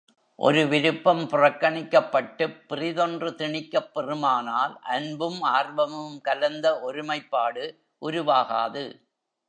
ஒரு விருப்பம் புறக்கணிக்கப்பட்டுப் பிறிதொன்று திணிக்கப் பெறுமானால் அன்பும் ஆர்வமும் கலந்த ஒருமைப்பாடு உருவாகாது.